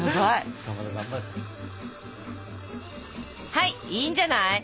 はいいいんじゃない。